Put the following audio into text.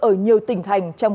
ở nhiều tỉnh thành